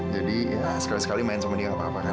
jadi ya sekali kali main sama dia gak apa apa kan